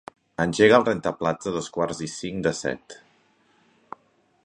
Engega el rentaplats a dos quarts i cinc de set.